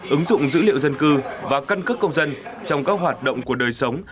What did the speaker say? ứng dụng dữ liệu dân cư và căn cước công dân trong các hoạt động của đời sống